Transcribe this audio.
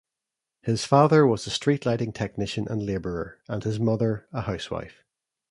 His father was a street lighting technician and laborer and his mother a housewife.